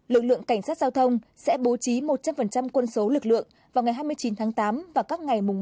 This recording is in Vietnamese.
lực lượng cảnh sát giao thông sẽ bố trí một trăm linh quân số lực lượng vào ngày hai mươi chín tháng tám và các ngày mùng một